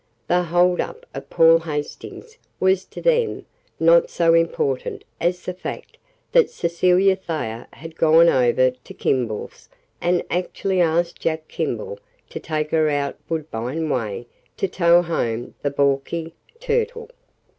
The hold up of Paul Hastings was to them not so important as the fact that Cecilia Thayer had gone over to Kimball's and actually asked Jack Kimball to take her out Woodbine way to tow home the balky Turtle.